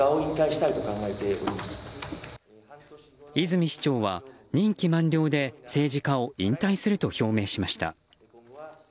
泉市長は、任期満了で政治家を引退すると表明しました。